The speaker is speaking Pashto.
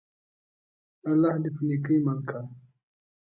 الله دي په نيکۍ مل که!